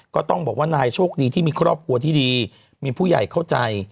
ก็ต้องบอกว่านายโชคดีที่มีครอบครัวที่ดีมีผู้ใหญ่เข้าใจ